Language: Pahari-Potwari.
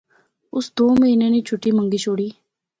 اس دو مہینے نی چُھٹی منگی شوڑی